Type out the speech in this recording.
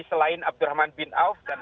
selain abdurrahman bin auf dan